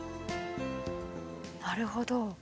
なるほど。